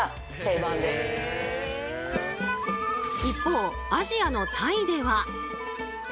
一方アジアのタイでは。